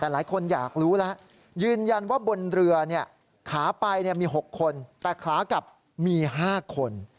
แต่หลายคนอยากรู้แล้วยืนยันว่าบนเรือขาไปมี๖คนแต่ขากลับมี๕คน